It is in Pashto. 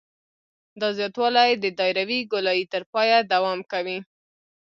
دا زیاتوالی د دایروي ګولایي تر پایه دوام کوي